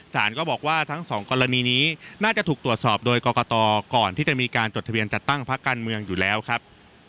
สารก็บอกว่าทั้งสองกรณีนี้น่าจะถูกตรวจสอบโดยกรกตก่อนที่จะมีการจดทะเบียนจัดตั้งพักการเมืองอยู่แล้วครับ